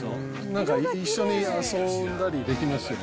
なんか一緒に遊んだりできますよ。